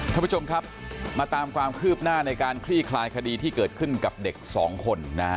ท่านผู้ชมครับมาตามความคืบหน้าในการคลี่คลายคดีที่เกิดขึ้นกับเด็กสองคนนะฮะ